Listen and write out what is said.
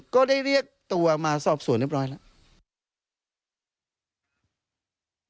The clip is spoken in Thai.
ก็ได้เรียกตัวมาสอบสวนเรียบร้อยแล้ว